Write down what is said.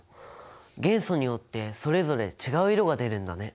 元素によってそれぞれ違う色が出るんだね。